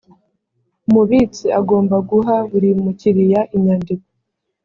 umubitsi agomba guha buri mukiriya inyandiko